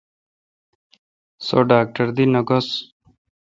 سو ڈاکٹر دی نہ گھوس۔